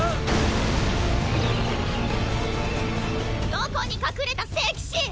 どこに隠れた⁉聖騎士！